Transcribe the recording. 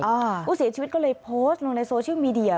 ผู้เสียชีวิตก็เลยโพสต์ลงในโซเชียลมีเดีย